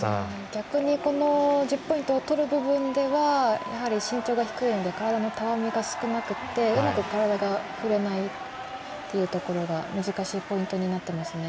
逆にこの１０ポイントを取る部分では身長が低いので体のたわみが少なくてうまく体が振れないってところが難しいポイントになってますね。